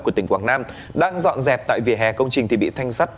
của tỉnh quảng nam đang dọn dẹp tại vỉa hè công trình thì bị thanh sắt